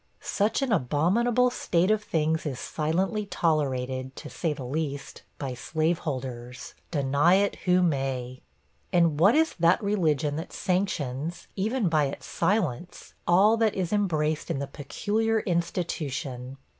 Such an abominable state of things is silently tolerated, to say the least, by slaveholders deny it who may. And what is that religion that sanctions, even by its silence, all that is embraced in the 'Peculiar Institution?